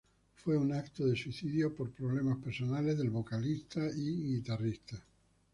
Fue un acto de suicidio por problemas personales del vocalista y guitarrista.